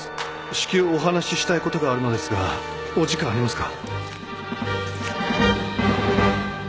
「至急お話したいことがあるのですがお時間ありますか？」